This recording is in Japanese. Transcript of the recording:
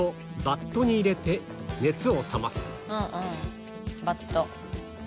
一度うんうんバット。